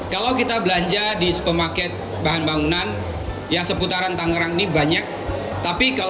kalau kita belanja di supermarket bahan bangunan yang seputaran tangerang ini banyak